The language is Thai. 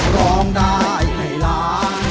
ร้องได้ให้ล้าน